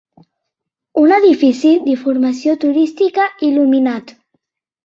Un edifici d'informació turística il·luminat.